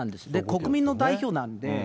国民の代表なんで。